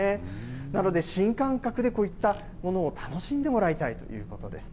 なので、新感覚でこういった楽しんでもらいたいということです。